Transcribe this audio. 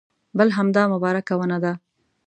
بل همدا مبارکه ونه ده.